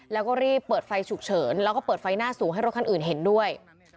แล้วก็รีบเปิดไฟฉุกเฉินแล้วก็เปิดไฟหน้าสูงให้รถคันอื่นเห็นด้วย